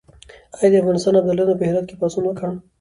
آیا د افغانستان ابدالیانو په هرات کې پاڅون وکړ؟